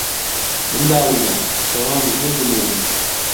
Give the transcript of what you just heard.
منداڵینە، شەوان زوو بنوون.